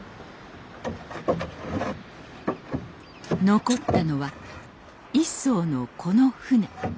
残ったのは１そうのこの船。